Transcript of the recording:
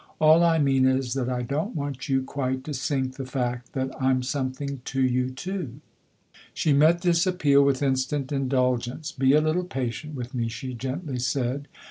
" All I mean is that I don't want you quite to sink the fact that I'm something to you too." She met this appeal with instant indulgence. "Be a little patient with me," she gently said.